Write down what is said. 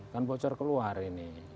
kan bocor keluar ini